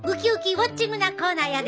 ウォッチングなコーナーやで！